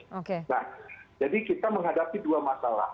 nah jadi kita menghadapi dua masalah